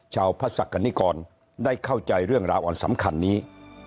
ชาวพระศักดิกรได้เข้าใจเรื่องราวอันสำคัญนี้